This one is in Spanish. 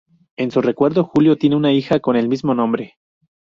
En su recuerdo, Julio tiene una hija con el mismo nombre.